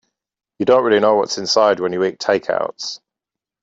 You don't really know what's inside when you eat takeouts.